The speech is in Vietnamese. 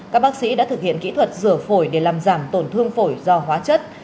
các bác sĩ đã thực hiện kỹ thuật rửa phổi để làm giảm tổn thương phổi do hóa chất